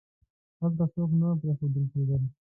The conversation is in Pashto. هلته څوک نه پریښودل کېدل.